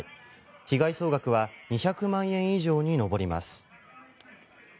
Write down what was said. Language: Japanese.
被害総額は２００万円以上に上ります。